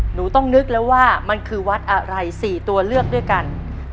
หนูต้องนึกแล้วว่ามันคือวัดอะไร๔ตัวเลือกด้วยกัน